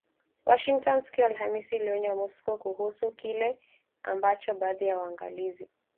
Washington siku ya Alhamis iliionya Moscow kuhusu kile ambacho baadhi ya waangalizi